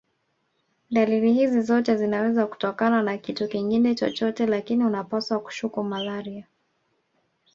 Dalili hizi zote zinaweza kutokana na kitu kingine chochote lakini unapaswa kushuku malaria